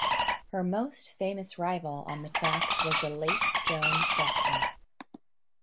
Her most famous rival on the track was the late Joan Weston.